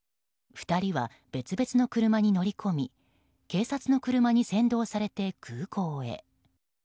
２人は別々の車に乗り込み警察の車に先導されて空港へ。